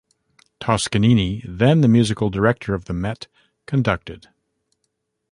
Toscanini, then the musical director of the Met, conducted.